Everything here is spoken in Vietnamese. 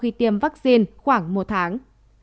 trong giai đoạn trùng omicron lưu hành